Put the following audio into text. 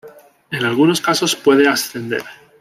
En algunos casos puede ascender.